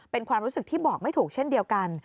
เป็นความรู้สึกที่บอกไม่ถูกเช่นเดียวกัน